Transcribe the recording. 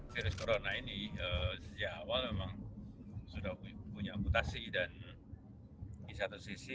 virus corona ini sejak awal memang sudah punya mutasi dan di satu sisi